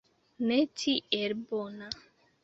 Ne tiel bona.